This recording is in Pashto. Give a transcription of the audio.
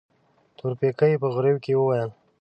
تورپيکۍ په غريو کې وويل.